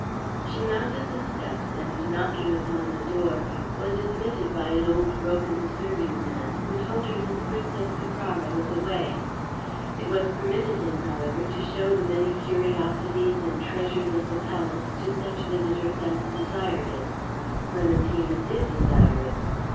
She mounted the steps, and knocking upon the door was admitted by an old broken serving man, who told her that the Princess Caprara was away. It was permitted him, however, to show the many curiosities and treasures of the palace to such visitors as desired it. Clementina did desire it.